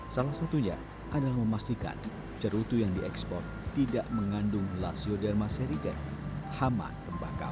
salah satunya adalah memastikan cerutu yang diekspor tidak mengandung lasioderma serigen hama tembakau